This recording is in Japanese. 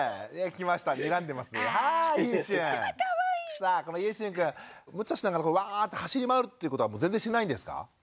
さあこのゆうしゅんくんむちゃしながらわぁって走り回るっていうことは全然しないんですか？